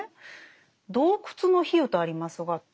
「洞窟の比喩」とありますが。